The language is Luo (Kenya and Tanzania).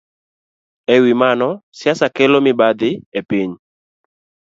E wi mano, siasa kelo mibadhi e piny.